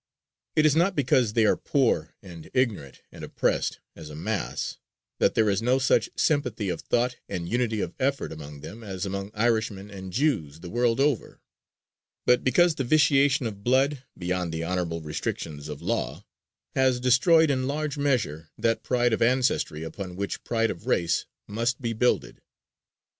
It is not because they are poor and ignorant and oppressed, as a mass, that there is no such sympathy of thought and unity of effort among them as among Irishmen and Jews the world over, but because the vitiation of blood, beyond the honorable restrictions of law, has destroyed, in large measure, that pride of ancestry upon which pride of race must be builded.